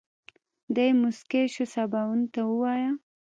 دی موسکی شو سباوون ته ووايه.